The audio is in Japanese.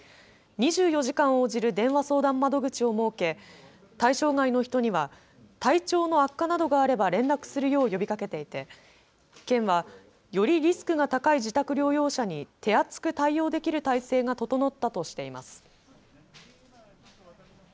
２４時間応じる電話相談窓口を設け、対象外の人には体調の悪化などがあれば連絡するよう呼びかけていて県はよりリスクが高い自宅療養者に手厚く対応できる体制が整ったとしています。